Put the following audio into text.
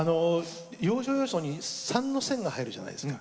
要所要所に三の線を入れるじゃないですか。